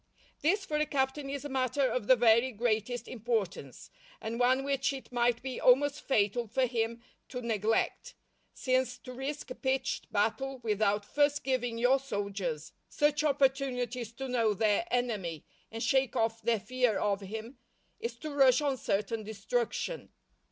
This for a captain is a matter of the very greatest importance, and one which it might be almost fatal for him to neglect, since to risk a pitched battle without first giving your soldiers such opportunities to know their enemy and shake off their fear of him, is to rush on certain destruction.